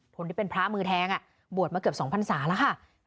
คนที่เป็นพระมือแทงบวชมาเกือบ๒พันศาแล้วค่ะ